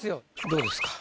どうですか？